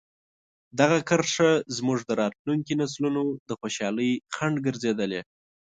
دغه کرښه زموږ د راتلونکي نسلونو د خوشحالۍ خنډ ګرځېدلې.